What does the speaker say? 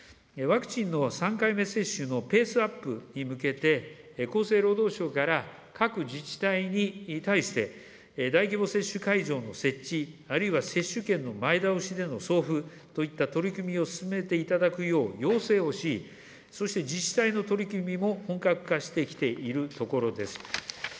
ワクチンの３回目接種のペースアップに向けて、厚生労働省から、各自治体に対して、大規模接種会場の設置、あるいは接種券の前倒しでの送付といった取り組みを進めていただくよう要請をし、そして自治体の取り組みも本格化してきているところです。